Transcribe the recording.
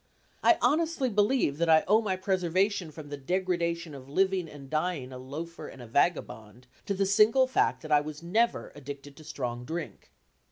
I honestly believe that I owe my preservation from the degradation of living and dying a loafer and a vagabond, to the single fact that I was never addicted to strong drink.